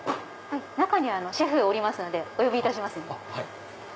中にシェフおりますのでお呼びいたします。